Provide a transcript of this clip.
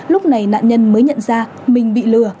lúc này nạn nhân mới nhận ra mình bị lừa